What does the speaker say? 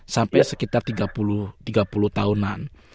sampai sekitar tiga puluh tahunan